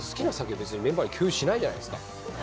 別にメンバーに共有しないじゃないですか。